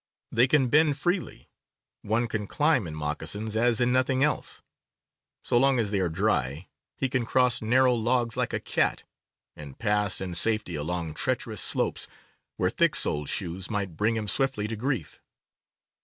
They can bend freely. One can climb in moccasins as in nothing else. So long as they are dry, he can cross narrow logs like a cat, and pass in safety along treacherous slopes where thick soled shoes might bring him swiftly to grief.